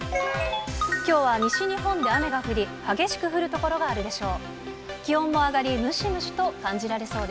きょうは西日本で雨が降り、激しく降る所があるでしょう。